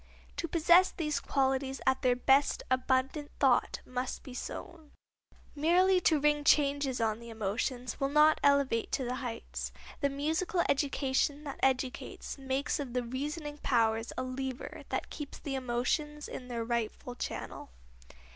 To possess these qualities at their best abundant thought must be sown. Merely to ring changes on the emotions will not elevate to the heights. The musical education that educates makes of the reasoning powers a lever that keeps the emotions in their rightful channel.